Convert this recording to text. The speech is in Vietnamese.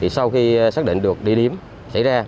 sau khi xác định được địa điểm xảy ra